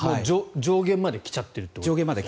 上限まで来ちゃってるということですよね。